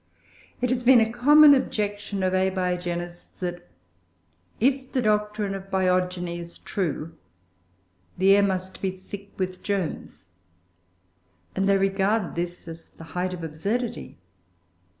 It has been a common objection of Abiogenists that, if the doctrine of Biogeny is true, the air must be thick with germs; and they regard this as the height of absurdity.